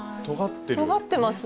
とがってる。